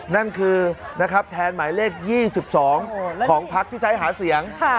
นั่นคือนะครับแทนหมายเลข๒๒ของพักที่ใช้หาเสียง